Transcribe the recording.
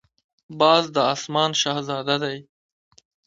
باز د آسمان شهزاده دی